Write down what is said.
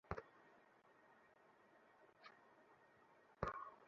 আমি তোমাদেরকে অভিশাপ দিচ্ছি।